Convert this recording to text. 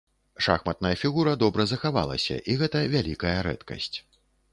Шахматная фігура добра захавалася, і гэта вялікая рэдкасць.